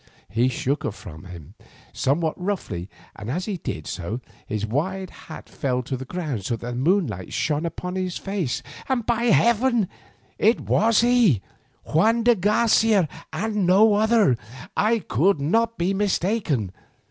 He shook her from him somewhat roughly, and as he did so his wide hat fell to the ground so that the moonlight shone upon his face. By Heaven! it was he—Juan de Garcia and no other! I could not be mistaken.